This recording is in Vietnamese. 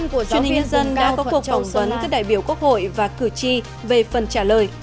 chuyên nhân dân đã có cuộc ủng hộ các đại biểu quốc hội và cử tri về phần trả lời